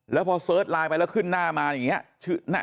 แล้วพอเสิร์ชไลน์ไปแล้วขึ้นหน้ามาอย่างนี้